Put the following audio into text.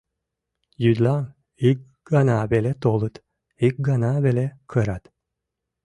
Йӱдлан ик гана веле толыт, ик гана веле кырат.